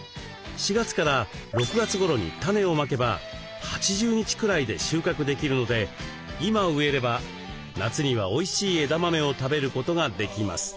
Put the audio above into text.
４月から６月ごろにタネをまけば８０日くらいで収穫できるので今植えれば夏にはおいしい枝豆を食べることができます。